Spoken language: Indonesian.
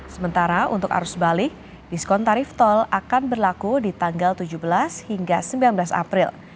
sementara untuk arus balik diskon tarif tol akan berlaku di tanggal tujuh belas hingga sembilan belas april